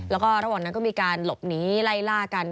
แล้วก็ระหว่างนั้นก็มีการหลบหนีไล่ล่ากัน